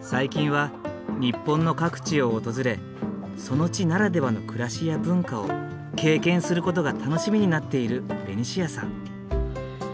最近は日本の各地を訪れその地ならではの暮らしや文化を経験する事が楽しみになっているベニシアさん。